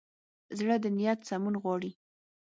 زړه د نیت سمون غواړي.